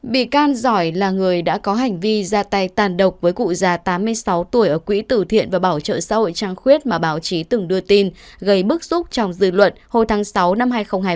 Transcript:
bị can giỏi là người đã có hành vi ra tay tàn độc với cụ già tám mươi sáu tuổi ở quỹ tử thiện và bảo trợ xã hội trang khuyết mà báo chí từng đưa tin gây bức xúc trong dư luận hồi tháng sáu năm hai nghìn hai mươi ba